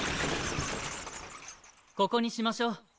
ここにしましょう。